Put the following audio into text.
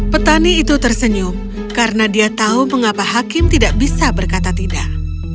petani itu tersenyum karena dia tahu mengapa hakim tidak bisa berkata tidak